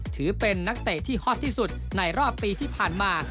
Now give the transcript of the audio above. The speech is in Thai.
ถือเป็นนักเตะที่ฮอตที่สุดในรอบปีที่ผ่านมา